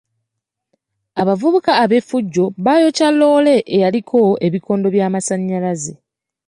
Abavubuka ab'effujjo baayokya loore eyaliko ebikondo by'amasannyalaze.